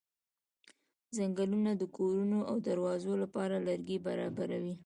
څنګلونه د کورونو او دروازو لپاره لرګي برابروي.